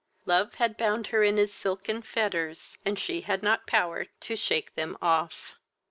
Love had bound her in his silken fetters, and she had not power to shake them off.